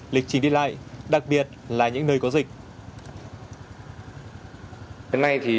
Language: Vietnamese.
lịch trình đi lại đặc biệt là những nơi có dịch